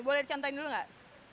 boleh cantik dulu enggak